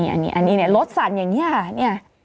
อันนี้เนี่ยรถสั่นอย่างนี้